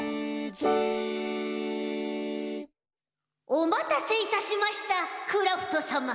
おまたせいたしましたクラフトさま！